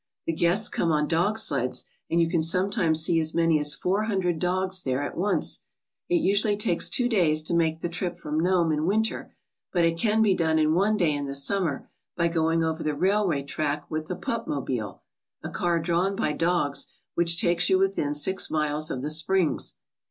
The guests come on dog sleds and you can sometimes see as many as four hundred dogs there at once. It usually takes two days to make the trip from Nome in winter, but it can be done in one day in the summer by going over the railway track with the Pup mobile, a car drawn by dogs, which takes you within six miles of the springs."